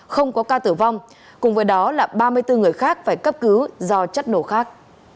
không có ca tử vong cùng với đó là ba mươi bốn người khác phải cấp cứu do chất nổ khác